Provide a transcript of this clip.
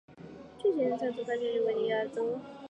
巨型羽翅鲎则发现于维吉尼亚州。